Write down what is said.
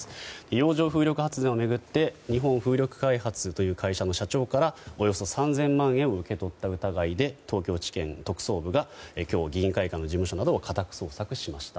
洋上風力発電を巡って日本風力開発の社長からおよそ３０００万円を受け取った疑いで東京地検特捜部が今日、議員会館の事務所などを家宅捜索しました。